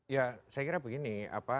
ya saya kira begini